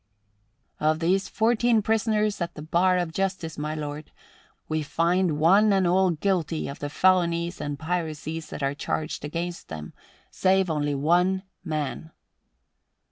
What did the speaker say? "Of these fourteen prisoners at the bar of justice, my lord, we find one and all guilty of the felonies and piracies that are charged against them, save only one man."